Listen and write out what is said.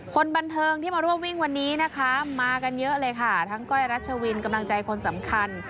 คนบันเทิงที่มาร่วมวิ่งวันนี้นะคะมากันเยอะเลยค่ะทั้งก้อยรัชวินกำลังใจคนสำคัญ